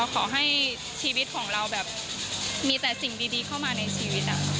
ขอให้ชีวิตของเราแบบมีแต่สิ่งดีเข้ามาในชีวิต